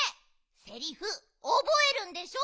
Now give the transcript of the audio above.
セリフおぼえるんでしょ。